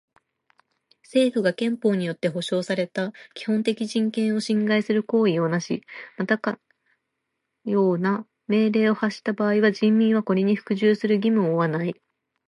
政府が憲法によって保障された基本的人権を侵害する行為をなし、またかような命令を発した場合は人民はこれに服従する義務を負わない。